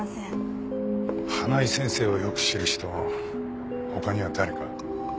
花井先生をよく知る人他には誰か？